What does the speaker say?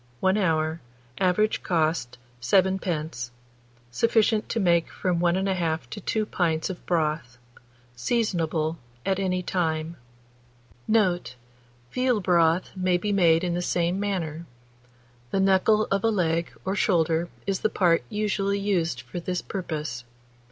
1 hour. Average cost, 7d. Sufficient to make from 1 1/2 to 2 pints of broth. Seasonable at any time. Note. Veal broth may be made in the same manner; the knuckle of a leg or shoulder is the part usually used for this purpose.